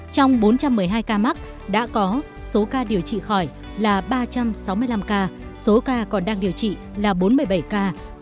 trong bốn trăm một mươi hai ca mắc đã có số ca điều trị khỏi là ba trăm sáu mươi năm ca số ca còn đang điều trị là bốn mươi bảy ca